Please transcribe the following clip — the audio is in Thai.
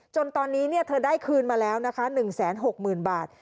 จนตอนนี้เนี่ยเธอได้คืนมาแล้วนะคะ๑แสน๖หมื่นบาท